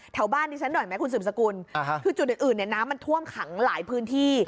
บ้านดิฉันหน่อยไหมคุณสืบสกุลคือจุดอื่นเนี่ยน้ำมันท่วมขังหลายพื้นที่